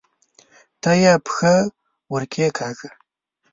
ته یې پښه ورکښېکاږه!